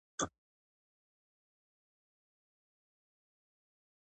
افغان ځواکونه به بری مومي.